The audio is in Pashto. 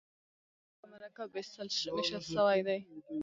فعل پر ساده او مرکب وېشل سوی دئ.